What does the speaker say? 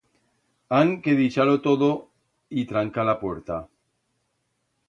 Han que dixar-lo todo y trancar la puerta.